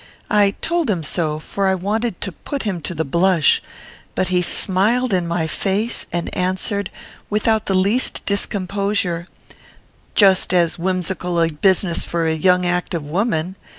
I told him so, for I wanted to put him to the blush; but he smiled in my face, and answered, without the least discomposure, 'Just as whimsical a business for a young active woman.